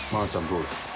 どうですか？